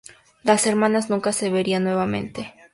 Las hermanas nunca se verían nuevamente.